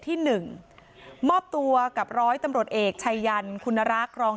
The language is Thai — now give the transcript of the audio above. ที่หนึ่งมอบตัวกับร้อยตำรวจเอกชัยยันคุณรักษ์รอง